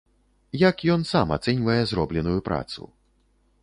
Як ён сам ацэньвае зробленую працу?